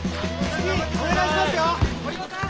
次お願いしますよ！